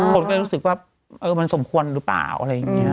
คนก็เลยรู้สึกว่าเออมันสมควรหรือเปล่าอะไรอย่างนี้นะ